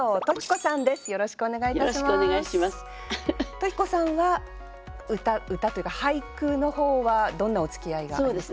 登紀子さんは歌というか俳句の方はどんなおつきあいがありますか？